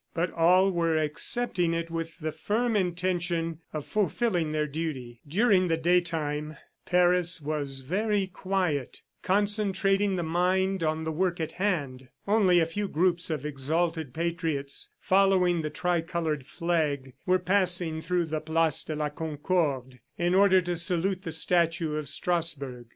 . But all were accepting it with the firm intention of fulfilling their duty. During the daytime Paris was very quiet, concentrating the mind on the work in hand. Only a few groups of exalted patriots, following the tricolored flag, were passing through the place de la Concorde, in order to salute the statue of Strasbourg.